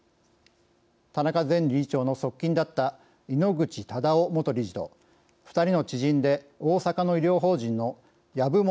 田中前理事長の側近だった井ノ口忠男元理事と２人の知人で大阪の医療法人の籔本